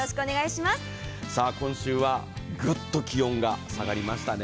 今週はぐっと気温が下がりましたね。